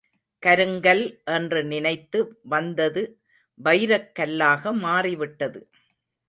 கருங்கல் என்று நினைத்து வந்தது வைரக் கல்லாக மாறிவிட்டது.